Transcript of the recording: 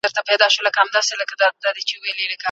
په ټولنه کي به د خیر کارونه کوئ.